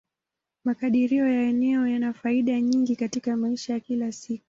Makadirio ya eneo yana faida nyingi katika maisha ya kila siku.